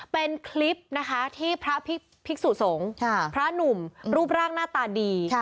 เป็นคลิปนะคะที่พระภิกษุสงฆ์พระหนุ่มรูปร่างหน้าตาดี